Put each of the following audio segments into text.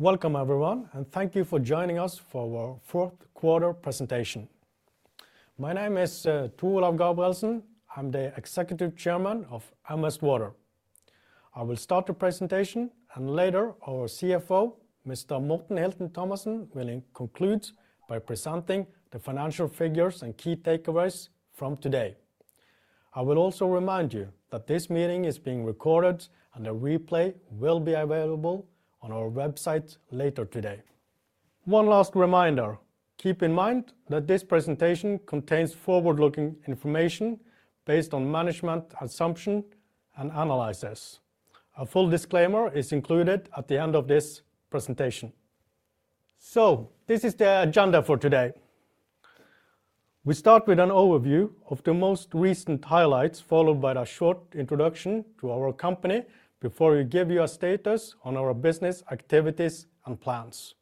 Welcome, everyone, and thank you for joining us for our fourth quarter presentation. My name is Tor Olav Gabrielsen. I'm the Executive Chairman of M Vest Water. I will start the presentation, and later our CFO, Mr. Morten Hilton Thomassen, will conclude by presenting the financial figures and key takeaways from today. I will also remind you that this meeting is being recorded, and a replay will be available on our website later today. One last reminder: keep in mind that this presentation contains forward-looking information based on management assumptions and analysis. A full disclaimer is included at the end of this presentation. This is the agenda for today. We start with an overview of the most recent highlights, followed by a short introduction to our company before we give you a status on our business activities and plans.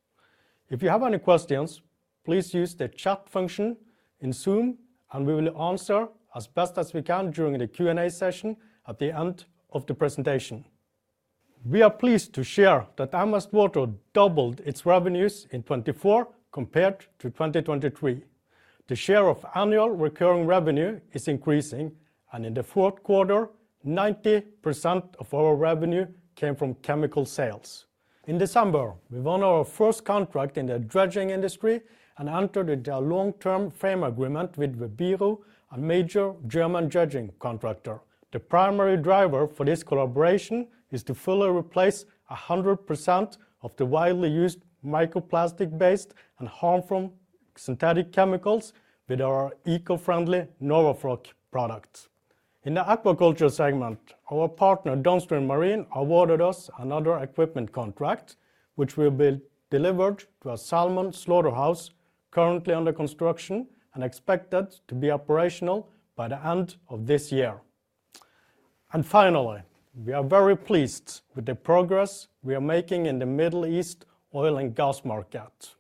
If you have any questions, please use the chat function in Zoom, and we will answer as best as we can during the Q&A session at the end of the presentation. We are pleased to share that M Vest Water doubled its revenues in 2024 compared to 2023. The share of annual recurring revenue is increasing, and in the fourth quarter, 90% of our revenue came from chemical sales. In December, we won our first contract in the dredging industry and entered into a long-term frame agreement with VEBIRO, a major German dredging contractor. The primary driver for this collaboration is to fully replace 100% of the widely used microplastic-based and harmful synthetic chemicals with our eco-friendly NORWAFLOC products. In the aquaculture segment, our partner Downstream Marine awarded us another equipment contract, which will be delivered to a salmon slaughterhouse currently under construction and expected to be operational by the end of this year. Finally, we are very pleased with the progress we are making in the Middle East oil and gas market.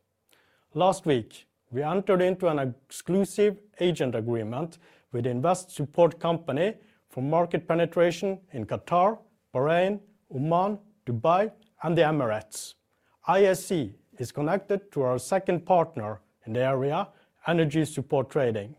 Last week, we entered into an exclusive agent agreement with the Invest Support Company for market penetration in Qatar, Bahrain, Oman, Dubai, and the Emirates. ISC is connected to our second partner in the area, Energy Support Trading.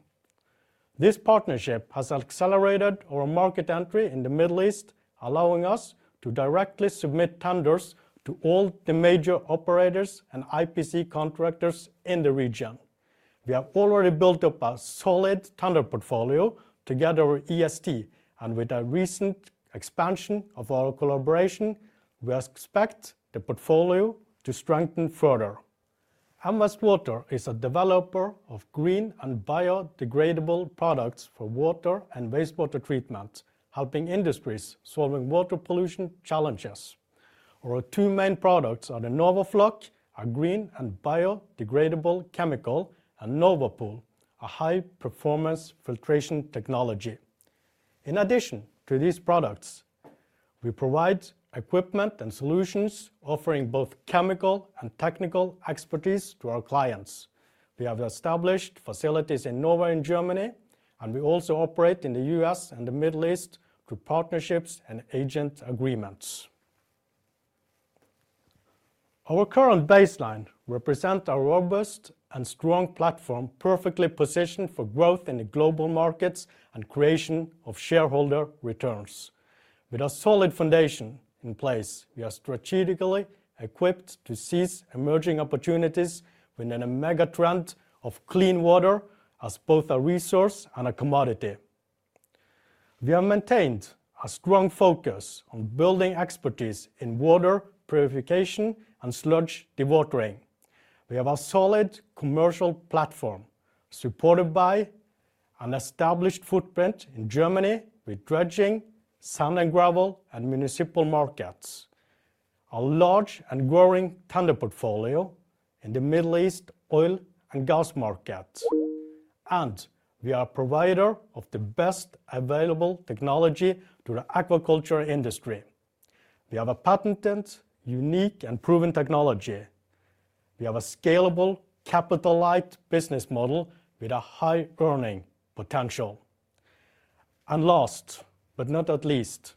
This partnership has accelerated our market entry in the Middle East, allowing us to directly submit tenders to all the major operators and EPC contractors in the region. We have already built up a solid tender portfolio together with EST, and with the recent expansion of our collaboration, we expect the portfolio to strengthen further. M Vest Water is a developer of green and biodegradable products for water and wastewater treatment, helping industries solving water pollution challenges. Our two main products are the NORWAFLOC, a green and biodegradable chemical, and NORWAPOL, a high-performance filtration technology. In addition to these products, we provide equipment and solutions offering both chemical and technical expertise to our clients. We have established facilities in Norway and Germany, and we also operate in the U.S. and the Middle East through partnerships and agent agreements. Our current baseline represents a robust and strong platform perfectly positioned for growth in the global markets and creation of shareholder returns. With a solid foundation in place, we are strategically equipped to seize emerging opportunities within a mega trend of clean water as both a resource and a commodity. We have maintained a strong focus on building expertise in water purification and sludge dewatering. We have a solid commercial platform supported by an established footprint in Germany with dredging, sand and gravel, and municipal markets, a large and growing tender portfolio in the Middle East oil and gas markets, and we are a provider of the best available technology to the aquaculture industry. We have a patented, unique, and proven technology. We have a scalable, capital-light business model with a high earning potential. Last but not least,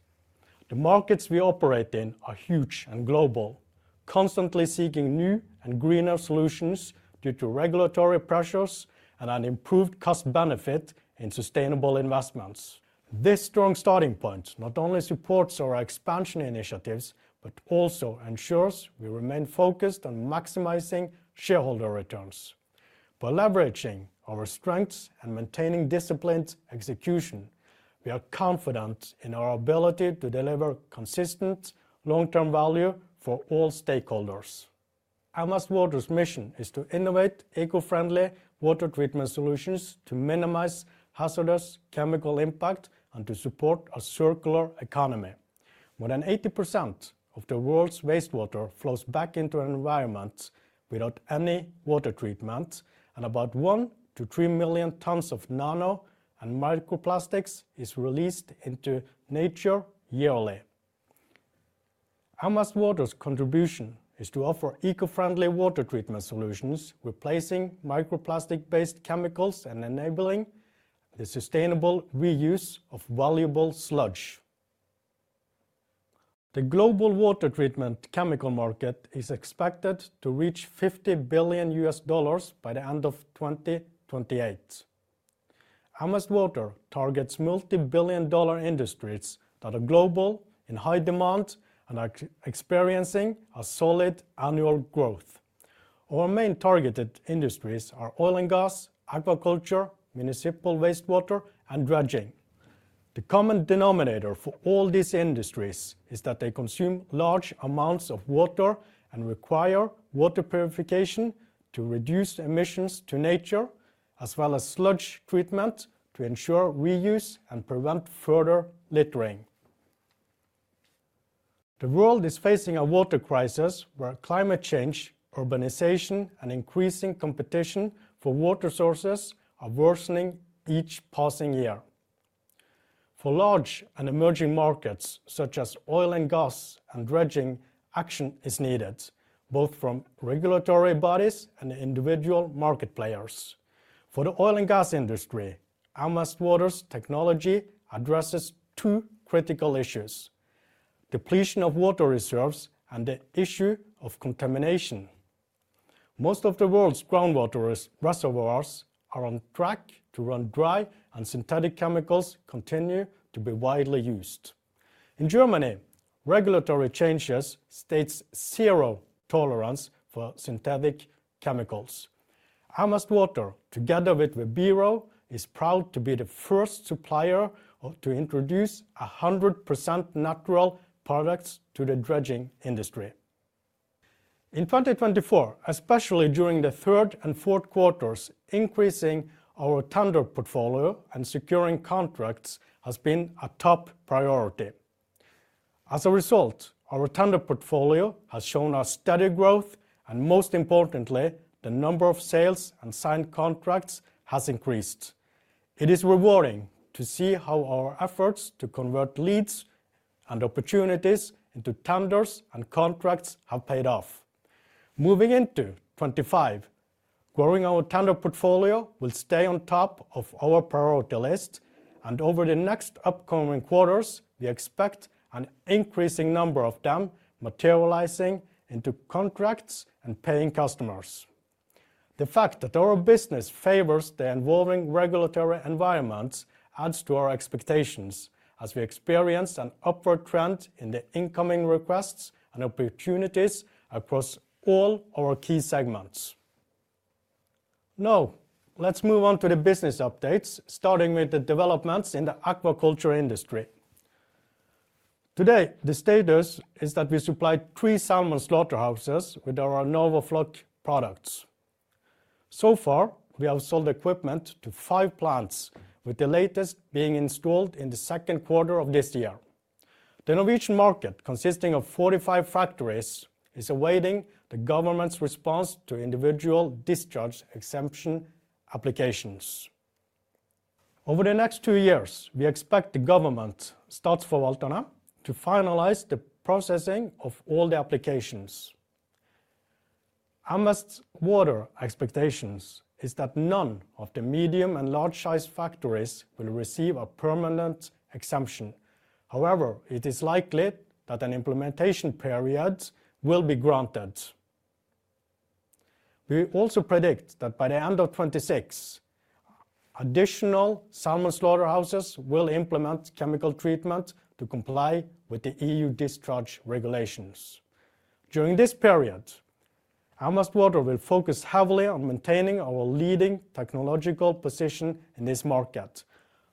the markets we operate in are huge and global, constantly seeking new and greener solutions due to regulatory pressures and an improved cost-benefit in sustainable investments. This strong starting point not only supports our expansion initiatives but also ensures we remain focused on maximizing shareholder returns. By leveraging our strengths and maintaining disciplined execution, we are confident in our ability to deliver consistent long-term value for all stakeholders. M Vest Water's mission is to innovate eco-friendly water treatment solutions to minimize hazardous chemical impact and to support a circular economy. More than 80% of the world's wastewater flows back into environments without any water treatment, and about 1-3 million tons of nano and microplastics are released into nature yearly. M Vest Water's contribution is to offer eco-friendly water treatment solutions, replacing microplastic-based chemicals and enabling the sustainable reuse of valuable sludge. The global water treatment chemical market is expected to reach $50 billion by the end of 2028. M Vest Water targets multi-billion dollar industries that are global, in high demand, and are experiencing a solid annual growth. Our main targeted industries are oil and gas, aquaculture, municipal wastewater, and dredging. The common denominator for all these industries is that they consume large amounts of water and require water purification to reduce emissions to nature, as well as sludge treatment to ensure reuse and prevent further littering. The world is facing a water crisis where climate change, urbanization, and increasing competition for water sources are worsening each passing year. For large and emerging markets such as oil and gas, dredging action is needed, both from regulatory bodies and individual market players. For the oil and gas industry, M Vest Water's technology addresses two critical issues: depletion of water reserves and the issue of contamination. Most of the world's groundwater reservoirs are on track to run dry, and synthetic chemicals continue to be widely used. In Germany, regulatory changes state zero tolerance for synthetic chemicals. M Vest Water, together with VEBIRO, is proud to be the first supplier to introduce 100% natural products to the dredging industry. In 2024, especially during the third and fourth quarters, increasing our tender portfolio and securing contracts has been a top priority. As a result, our tender portfolio has shown a steady growth, and most importantly, the number of sales and signed contracts has increased. It is rewarding to see how our efforts to convert leads and opportunities into tenders and contracts have paid off. Moving into 2025, growing our tender portfolio will stay on top of our priority list, and over the next upcoming quarters, we expect an increasing number of them materializing into contracts and paying customers. The fact that our business favors the evolving regulatory environment adds to our expectations, as we experience an upward trend in the incoming requests and opportunities across all our key segments. Now, let's move on to the business updates, starting with the developments in the aquaculture industry. Today, the status is that we supply three salmon slaughterhouses with our NORWAFLOC products. So far, we have sold equipment to five plants, with the latest being installed in the second quarter of this year. The Norwegian market, consisting of 45 factories, is awaiting the government's response to individual discharge exemption applications. Over the next two years, we expect the government, Statsforvalterne, to finalize the processing of all the applications. M Vest Water's expectation is that none of the medium and large-sized factories will receive a permanent exemption. However, it is likely that an implementation period will be granted. We also predict that by the end of 2026, additional salmon slaughterhouses will implement chemical treatment to comply with the EU discharge regulations. During this period, M Vest Water will focus heavily on maintaining our leading technological position in this market.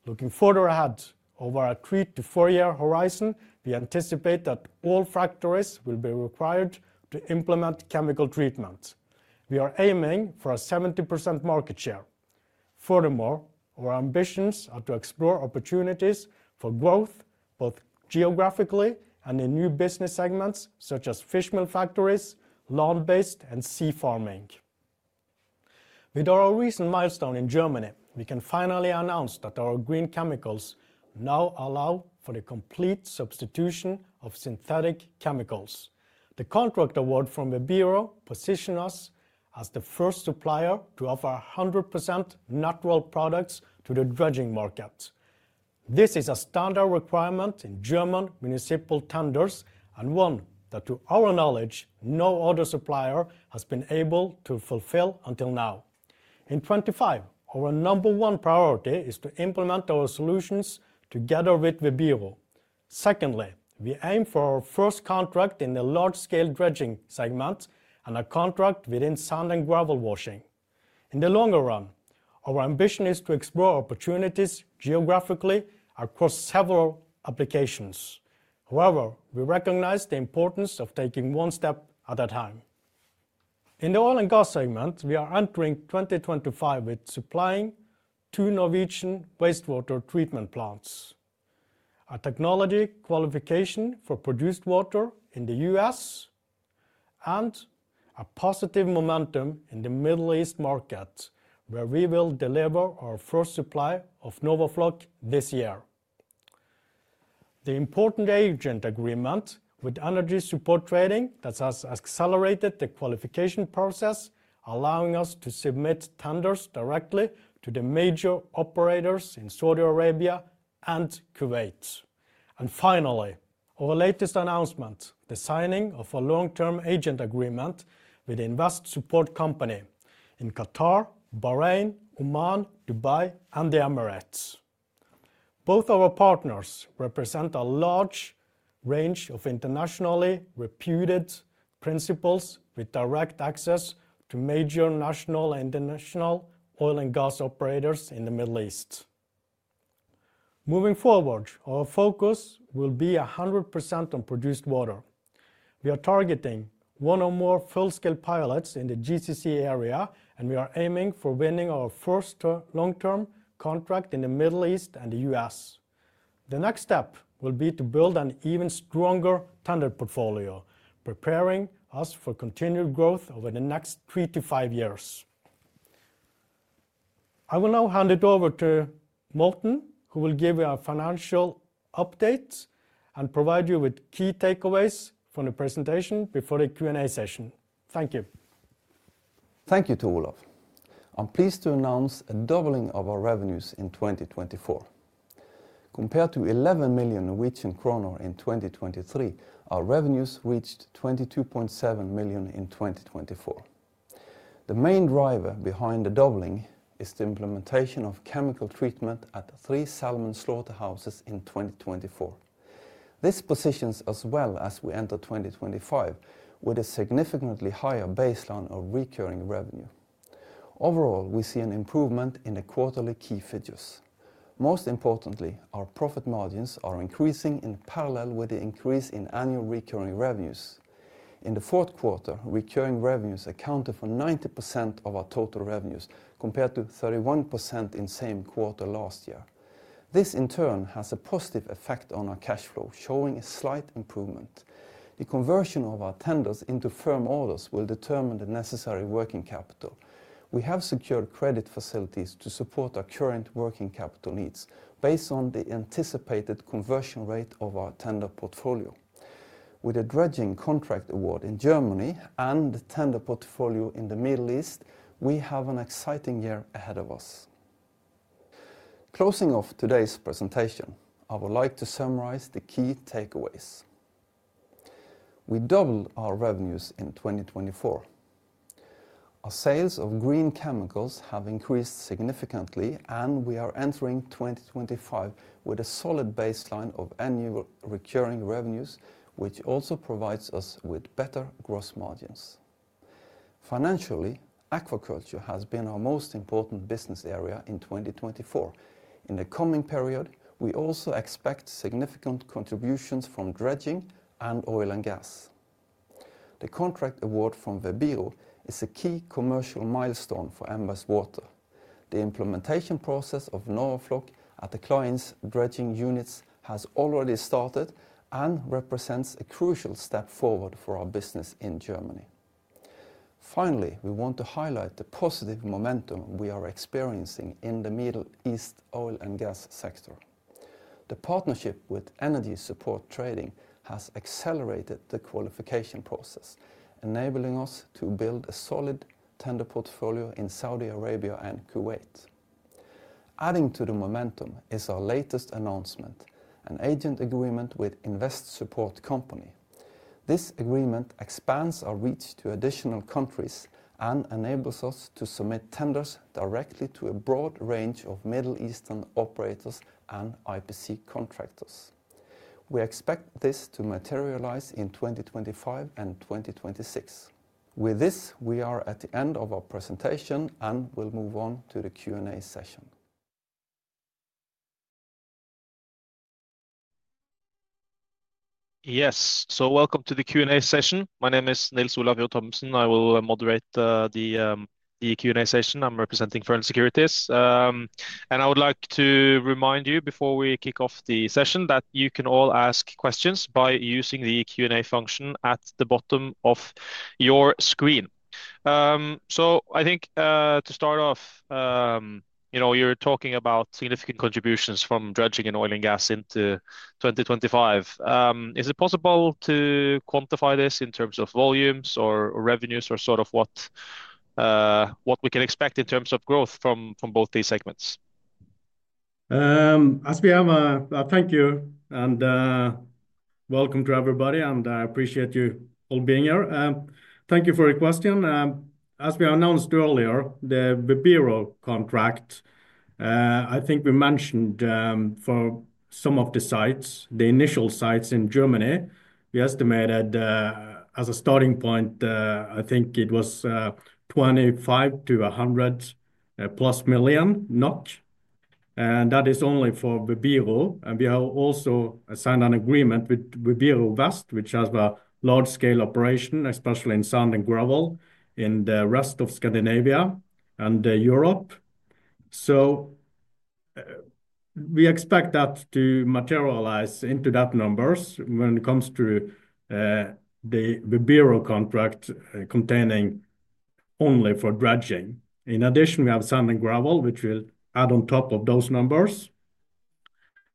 Looking further ahead, over a three- to four-year horizon, we anticipate that all factories will be required to implement chemical treatment. We are aiming for a 70% market share. Furthermore, our ambitions are to explore opportunities for growth both geographically and in new business segments such as fishmeal factories, land-based, and sea farming. With our recent milestone in Germany, we can finally announce that our green chemicals now allow for the complete substitution of synthetic chemicals. The contract award from VEBIRO positions us as the first supplier to offer 100% natural products to the dredging market. This is a standard requirement in German municipal tenders and one that, to our knowledge, no other supplier has been able to fulfill until now. In 2025, our number one priority is to implement our solutions together with VEBIRO. Secondly, we aim for our first contract in the large-scale dredging segment and a contract within sand and gravel washing. In the longer run, our ambition is to explore opportunities geographically across several applications. However, we recognize the importance of taking one step at a time. In the oil and gas segment, we are entering 2025 with supplying two Norwegian wastewater treatment plants, a technology qualification for produced water in the U.S., and a positive momentum in the Middle East market, where we will deliver our first supply of NORWAFLOC this year. The important agent agreement with Energy Support Trading has accelerated the qualification process, allowing us to submit tenders directly to the major operators in Saudi Arabia and Kuwait. Finally, our latest announcement: the signing of a long-term agent agreement with the Invest Support Company in Qatar, Bahrain, Oman, Dubai, and the Emirates. Both our partners represent a large range of internationally reputed principals with direct access to major national and international oil and gas operators in the Middle East. Moving forward, our focus will be 100% on produced water. We are targeting one or more full-scale pilots in the GCC area, and we are aiming for winning our first long-term contract in the Middle East and the U.S. The next step will be to build an even stronger tender portfolio, preparing us for continued growth over the next three to five years. I will now hand it over to Morten, who will give you a financial update and provide you with key takeaways from the presentation before the Q&A session. Thank you. Thank you Tor Olav. I'm pleased to announce a doubling of our revenues in 2024. Compared to 11 million Norwegian kroner in 2023, our revenues reached 22.7 million in 2024. The main driver behind the doubling is the implementation of chemical treatment at three salmon slaughterhouses in 2024. This positions us well as we enter 2025 with a significantly higher baseline of recurring revenue. Overall, we see an improvement in the quarterly key figures. Most importantly, our profit margins are increasing in parallel with the increase in annual recurring revenues. In the fourth quarter, recurring revenues accounted for 90% of our total revenues compared to 31% in the same quarter last year. This, in turn, has a positive effect on our cash flow, showing a slight improvement. The conversion of our tenders into firm orders will determine the necessary working capital. We have secured credit facilities to support our current working capital needs based on the anticipated conversion rate of our tender portfolio. With the dredging contract award in Germany and the tender portfolio in the Middle East, we have an exciting year ahead of us. Closing off today's presentation, I would like to summarize the key takeaways. We doubled our revenues in 2024. Our sales of green chemicals have increased significantly, and we are entering 2025 with a solid baseline of annual recurring revenues, which also provides us with better gross margins. Financially, aquaculture has been our most important business area in 2024. In the coming period, we also expect significant contributions from dredging and oil and gas. The contract award from VEBIRO is a key commercial milestone for M Vest Water. The implementation process of NORWAFLOC at the client's dredging units has already started and represents a crucial step forward for our business in Germany. Finally, we want to highlight the positive momentum we are experiencing in the Middle East oil and gas sector. The partnership with Energy Support Trading has accelerated the qualification process, enabling us to build a solid tender portfolio in Saudi Arabia and Kuwait. Adding to the momentum is our latest announcement: an agent agreement with Invest Support Company. This agreement expands our reach to additional countries and enables us to submit tenders directly to a broad range of Middle Eastern operators and EPC contractors. We expect this to materialize in 2025 and 2026. With this, we are at the end of our presentation, and we'll move on to the Q&A session. Yes, so welcome to the Q&A session. My name is Nils Olav Furre Thommesen. I will moderate the Q&A session. I'm representing Fearnley Securities, and I would like to remind you before we kick off the session that you can all ask questions by using the Q&A function at the bottom of your screen. I think, to start off, you know, you're talking about significant contributions from dredging and oil and gas into 2025. Is it possible to quantify this in terms of volumes or revenues or sort of what we can expect in terms of growth from both these segments? As we have, thank you and welcome to everybody, and I appreciate you all being here. Thank you for your question. As we announced earlier, the VEBIRO contract, I think we mentioned, for some of the sites, the initial sites in Germany, we estimated, as a starting point, I think it was, 25-100+ million NOK. That is only for VEBIRO. We have also signed an agreement with VEBIRO West, which has a large-scale operation, especially in sand and gravel in the rest of Scandinavia and Europe. We expect that to materialize into that numbers when it comes to the VEBIRO contract containing only for dredging. In addition, we have sand and gravel, which will add on top of those numbers.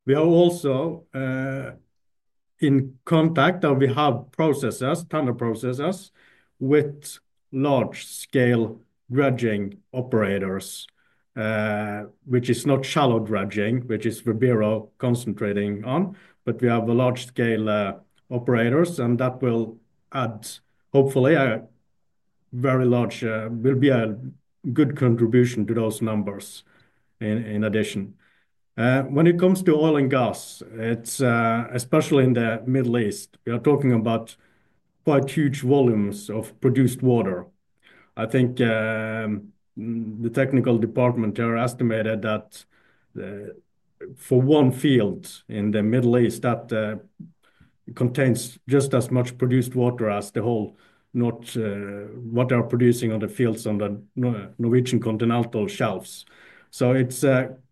We are also in contact, or we have processors, tender processors with large-scale dredging operators, which is not shallow dredging, which is VEBIRO concentrating on, but we have large-scale operators, and that will add, hopefully, a very large, will be a good contribution to those numbers in addition. When it comes to oil and gas, it's especially in the Middle East, we are talking about quite huge volumes of produced water. I think the technical department here estimated that for one field in the Middle East that contains just as much produced water as the whole NCS, what they are producing on the fields on the Norwegian continental shelves. It is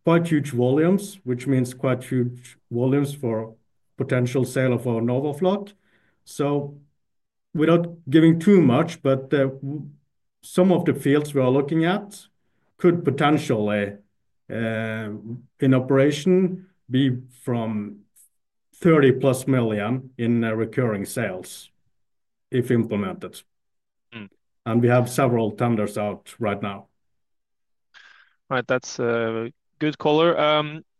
quite huge volumes, which means quite huge volumes for potential sale of our NORWAFLOC. Without giving too much, but, some of the fields we are looking at could potentially, in operation, be from 30 million+ in recurring sales if implemented. We have several tenders out right now. Right, that's a good caller.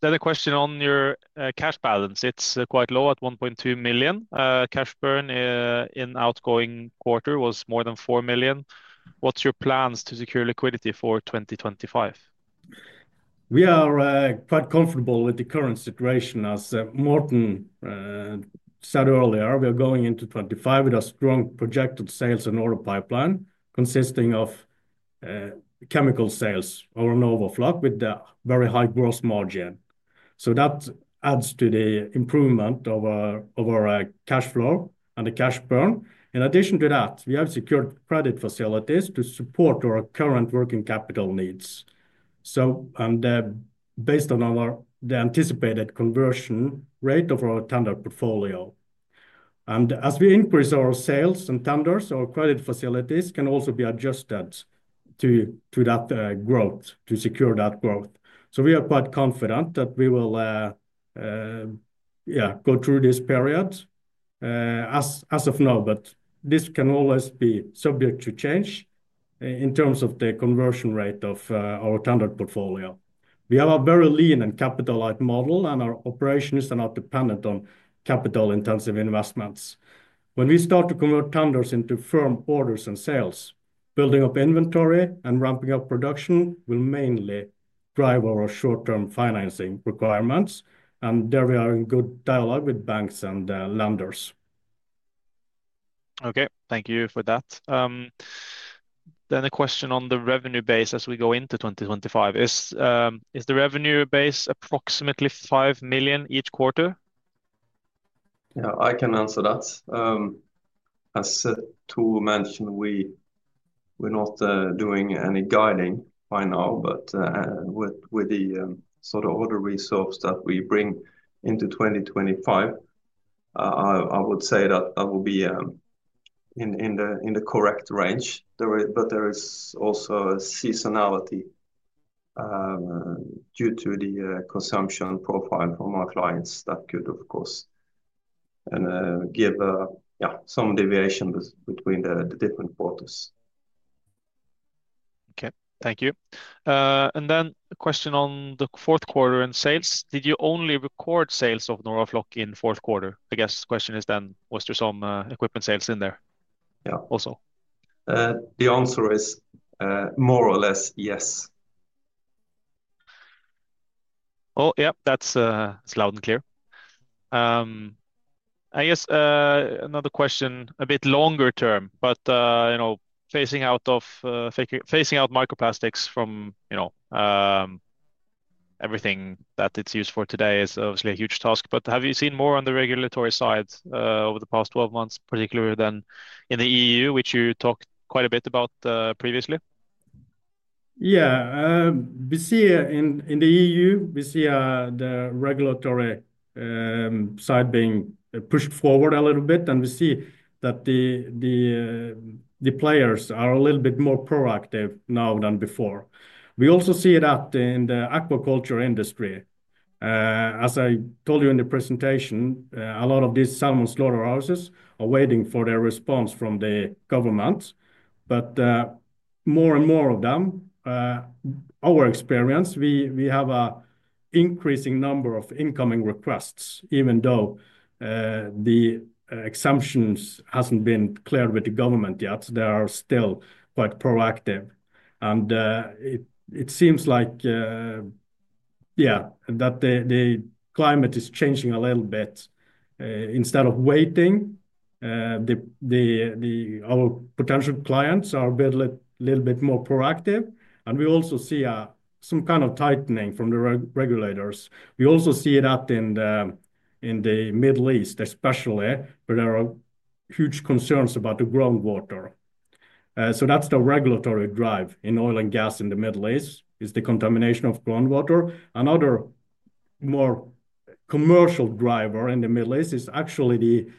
Another question on your cash balance. It's quite low at 1.2 million. Cash burn in outgoing quarter was more than 4 million. What's your plans to secure liquidity for 2025? We are quite comfortable with the current situation, as Morten said earlier. We are going into 2025 with a strong projected sales and order pipeline consisting of chemical sales over NORWAFLOC with a very high gross margin. That adds to the improvement of our cash flow and the cash burn. In addition to that, we have secured credit facilities to support our current working capital needs. Based on the anticipated conversion rate of our tender portfolio, and as we increase our sales and tenders, our credit facilities can also be adjusted to that growth to secure that growth. We are quite confident that we will, yeah, go through this period, as of now, but this can always be subject to change in terms of the conversion rate of our tender portfolio. We have a very lean and capitalized model, and our operations are not dependent on capital-intensive investments. When we start to convert tenders into firm orders and sales, building up inventory and ramping up production will mainly drive our short-term financing requirements. There we are in good dialogue with banks and lenders. Okay, thank you for that. Then a question on the revenue base as we go into 2025. Is the revenue base approximately 5 million each quarter? Yeah, I can answer that. As Tor mentioned, we're not doing any guiding right now, but with the sort of order resource that we bring into 2025, I would say that will be in the correct range. There is also a seasonality due to the consumption profile from our clients that could, of course, give some deviation between the different quarters. Okay, thank you. And then a question on the fourth quarter and sales. Did you only record sales of NORWAFLOC in fourth quarter? I guess the question is then, was there some equipment sales in there? Yeah. Also. The answer is, more or less yes. Oh, yep, that's loud and clear. I guess, another question a bit longer term, but, you know, phasing out of, phasing out microplastics from, you know, everything that it's used for today is obviously a huge task. Have you seen more on the regulatory side, over the past 12 months, particularly then in the EU, which you talked quite a bit about, previously? Yeah, we see in the EU, we see, the regulatory side being pushed forward a little bit, and we see that the, the players are a little bit more proactive now than before. We also see that in the aquaculture industry. As I told you in the presentation, a lot of these salmon slaughterhouses are waiting for their response from the government, but, more and more of them, our experience, we have an increasing number of incoming requests, even though, the exemptions haven't been cleared with the government yet. They are still quite proactive. It seems like, yeah, the climate is changing a little bit. Instead of waiting, our potential clients are a little bit more proactive. We also see some kind of tightening from the regulators. We also see that in the Middle East, especially, where there are huge concerns about the groundwater. That's the regulatory drive in oil and gas in the Middle East: the contamination of groundwater. Another more commercial driver in the Middle East is actually the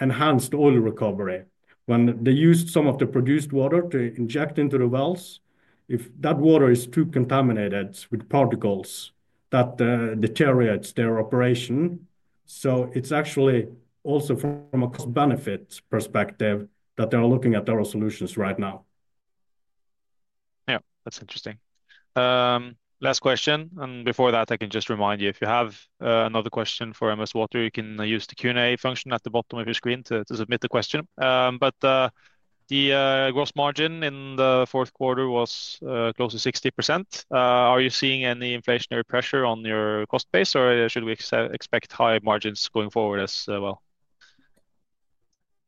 enhanced oil recovery when they use some of the produced water to inject into the wells. If that water is too contaminated with particles, that deteriorates their operation. It's actually also from a cost-benefit perspective that they're looking at our solutions right now. Yeah, that's interesting. Last question. Before that, I can just remind you, if you have another question for M Vest Water, you can use the Q&A function at the bottom of your screen to submit the question. The gross margin in the fourth quarter was close to 60%. Are you seeing any inflationary pressure on your cost base, or should we expect high margins going forward as well?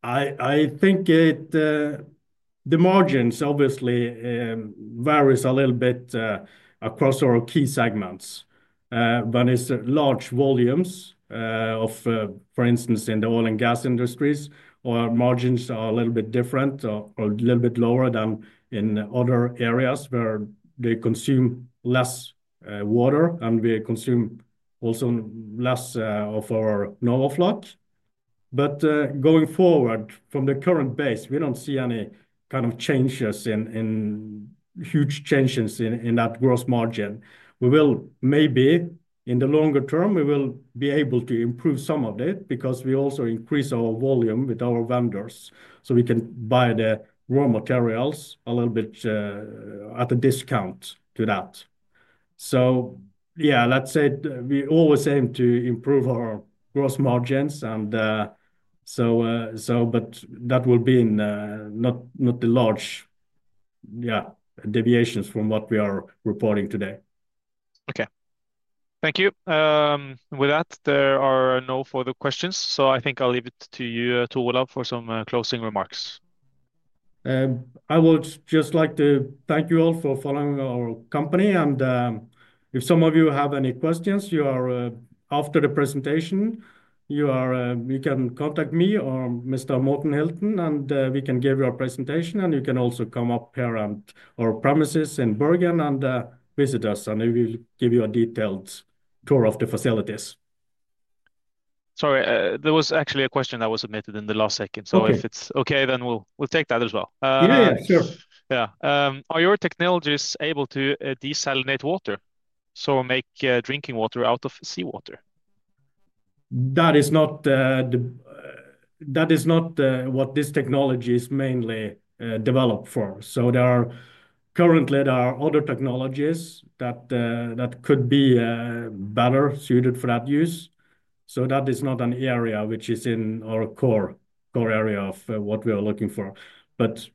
I think the margins obviously vary a little bit across our key segments. It's large volumes of, for instance, in the oil and gas industries, our margins are a little bit different or a little bit lower than in other areas where they consume less water and we consume also less of our NORWAFLOC. Going forward from the current base, we do not see any kind of changes, no huge changes in that gross margin. We will maybe in the longer term, we will be able to improve some of it because we also increase our volume with our vendors so we can buy the raw materials a little bit, at a discount to that. Yeah, let's say we always aim to improve our gross margins, and, so, but that will be in, not not the large, yeah, deviations from what we are reporting today. Okay, thank you. With that, there are no further questions. I think I'll leave it to you, Tor Olav, for some closing remarks. I would just like to thank you all for following our company. If some of you have any questions, you are, after the presentation, you are, you can contact me or Mr. Morten Hilton, and we can give you our presentation, and you can also come up here and our premises in Bergen and visit us, and we will give you a detailed tour of the facilities. Sorry, there was actually a question that was submitted in the last second. If it's okay, then we'll take that as well. Yeah, yeah, sure. Yeah. Are your technologies able to desalinate water? So make drinking water out of seawater? That is not, that is not what this technology is mainly developed for. There are currently, there are other technologies that could be better suited for that use. That is not an area which is in our core core area of what we are looking for.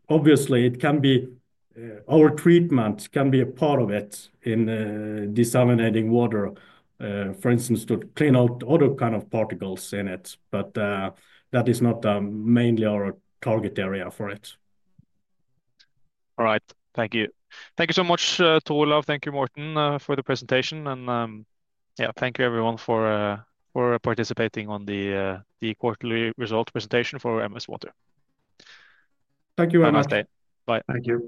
Obviously, it can be, our treatment can be a part of it in desalinating water, for instance, to clean out other kind of particles in it. That is not mainly our target area for it. All right. Thank you. Thank you so much, Tor Olav. Thank you, Morten, for the presentation. Yeah, thank you everyone for participating on the quarterly result presentation for M Vest Water. Thank you very much. Have a nice day. Bye. Thank you.